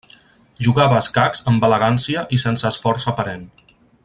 Jugava a escacs amb elegància i sense esforç aparent.